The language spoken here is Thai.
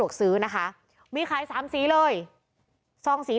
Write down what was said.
และก็คือว่าถึงแม้วันนี้จะพบรอยเท้าเสียแป้งจริงไหม